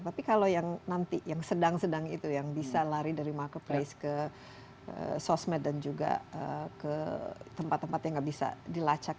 tapi kalau yang nanti yang sedang sedang itu yang bisa lari dari marketplace ke sosmed dan juga ke tempat tempat yang nggak bisa dilacak